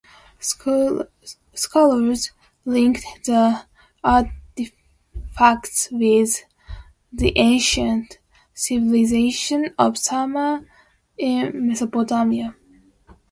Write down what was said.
Scholars linked the artifacts with the ancient civilisation of Sumer in Mesopotamia.